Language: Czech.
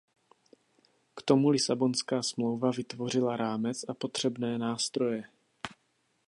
K tomu Lisabonská smlouva vytvořila rámec a potřebné nástroje.